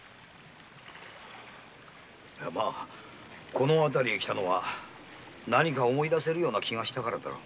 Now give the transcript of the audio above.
この辺りに来たのは何か思い出せるような気がしたんだろう。